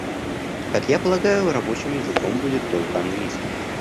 Как я полагаю, рабочим языком будет только английский.